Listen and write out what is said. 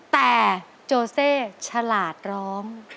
แต่โจเซฉลาดร้อง